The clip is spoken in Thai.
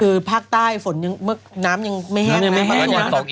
คือภาคใต้ฝนน้ำยังไม่แห้งนะ